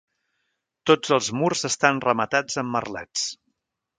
Tots els murs estan rematats amb merlets.